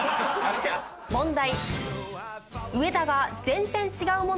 問題。